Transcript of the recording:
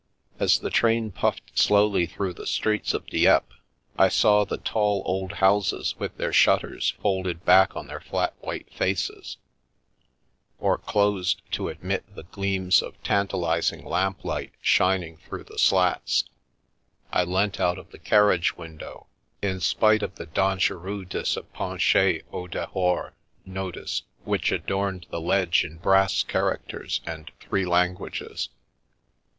As the train puffed slowly through the streets of Dieppe, and I saw the tall, old houses with their shutters folded back on their flat white faces, or closed to admit of gleams of tantalising lamplight shining through the slats, I leant out of the carriage window (in spite of the Dangereux de se pencher au dehors notice which adorned the ledge in brass characters and three languages).